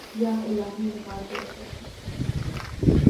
یا الٰہی یہ ماجرا کیا ہے